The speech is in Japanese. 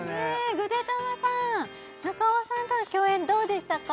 ぐでたまさん中尾さんとの共演どうでしたか？